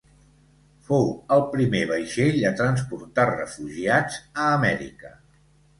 Fou el primer vaixell a transportar refugiats a Amèrica.